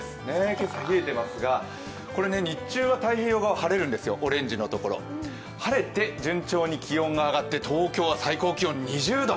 結構冷えてますが、日中は太平洋側冷えるんですよ、オレンジの所、晴れて順調に気温が上がって東京は最高気温２０度。